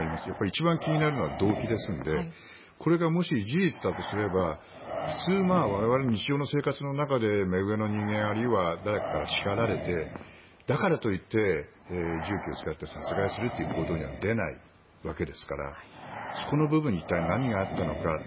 一番気になるのは動機ですのでこれがもし、事実だとすれば普通、我々の日常生活の中で目上の人間、あるいは誰かから叱られてだからと言って銃器を使って殺害するという行動には出ないわけですからそこの部分に一体何があったのか。